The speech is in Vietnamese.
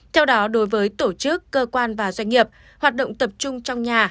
theo đó đối với tổ chức cơ quan và doanh nghiệp hoạt động tập trung trong nhà